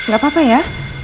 gak apa apa ya